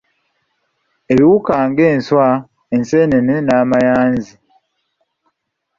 Ebiwuka nga enswa, enseenene n’amayanzi